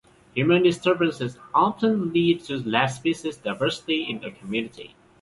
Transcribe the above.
Human disturbances often lead to less species diversity in a community.